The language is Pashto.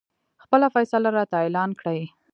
خپله فیصله راته اعلان کړي.